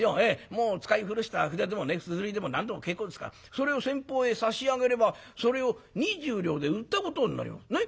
もう使い古した筆でもすずりでも何でも結構ですからそれを先方へ差し上げればそれを二十両で売ったことになります。ね？